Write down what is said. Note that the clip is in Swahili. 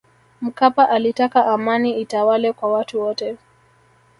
mkapa alitaka amani itawale kwa watu wote